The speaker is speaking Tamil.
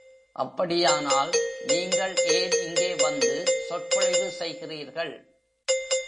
அப்படியானால், நீங்கள் ஏன் இங்கே வந்து சொற்பொழிவு செய்கிறீர்கள்?